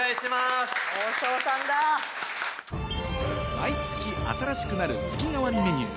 毎月、新しくなる月替わりメニュー。